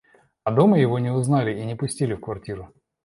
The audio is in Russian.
А дома его не узнали и не пустили в квартиру.